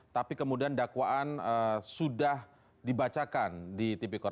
tapi kemudian dakwaan sudah dibacakan di tipikor